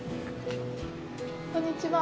こんにちは。